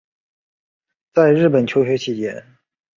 在日本求学期间